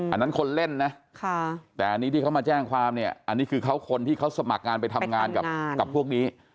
อันนั้นคนเล่นนะแต่อันนี้ที่เขามาแจ้งความเนี่ยอันนี้คือเขาคนที่เขาสมัครงานไปทำงานกับพวกนี้